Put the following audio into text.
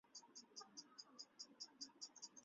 他是布什政府的第二位国家安全事务助理。